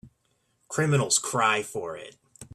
Criminals cry for it.